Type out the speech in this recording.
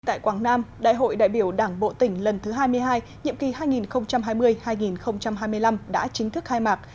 tại quảng nam đại hội đại biểu đảng bộ tỉnh lần thứ hai mươi hai nhiệm kỳ hai nghìn hai mươi hai nghìn hai mươi năm đã chính thức khai mạc